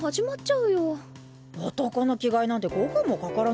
男の着替えなんて５分もかからないのにさ。